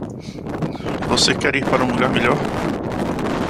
Você quer ir para um lugar melhor?